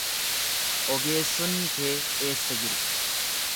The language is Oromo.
Ogeessonni kee eessa jiru?